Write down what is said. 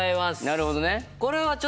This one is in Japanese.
なるほどね。